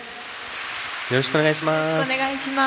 よろしくお願いします。